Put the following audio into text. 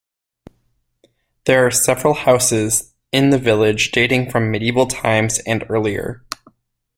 There are several houses in the village dating from medieval times and earlier.